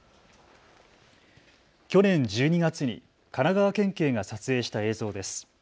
去年１２月に神奈川県警が撮影した映像です。